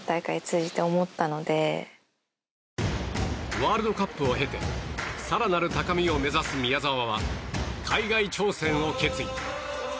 ワールドカップを経て更なる高みを目指す宮澤は海外挑戦を決意。